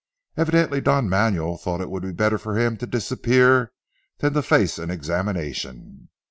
Evidently Don Manuel thought it would be better for him to disappear than to face an examination.